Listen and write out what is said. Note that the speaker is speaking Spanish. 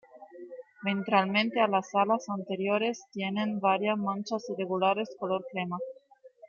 Ventralmente las alas anteriores tienen varias manchas irregulares color crema.